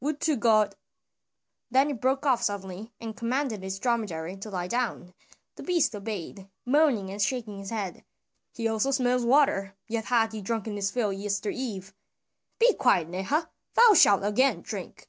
"Would to God" then he broke off suddenly and commanded his dromedary to lie down; the beast obeyed, moaning and shaking his head. "He also smells water, yet hath he drunken his fill yester eve. Be quiet, Neha! thou shalt again drink.